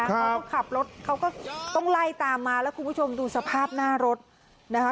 เขาก็ขับรถเขาก็ต้องไล่ตามมาแล้วคุณผู้ชมดูสภาพหน้ารถนะคะ